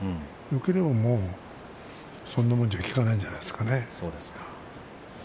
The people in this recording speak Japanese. よければ、そんなもんじゃきかないんじゃないですかね。